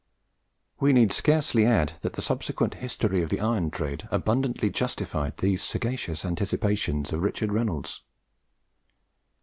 We need scarcely add that the subsequent history of the iron trade abundantly justified these sagacious anticipations of Richard Reynolds.